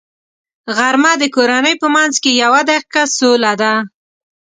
غرمه د کورنۍ په منځ کې یوه دقیقه سوله ده